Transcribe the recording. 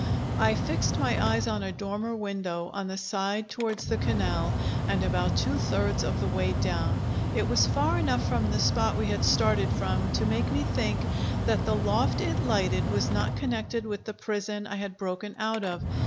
I fixed my eyes on a dormer window on the side towards the canal, and about two thirds of the way down. It was far enough from the spot we had started from to make me think that the loft it lighted was not connected with the prison I had broken out of.